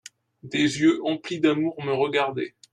Des yeux emplis d'amour me regardaient.